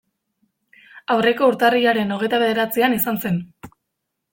Aurreko urtarrilaren hogeita bederatzian izan zen.